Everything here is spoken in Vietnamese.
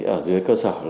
ở dưới cơ sở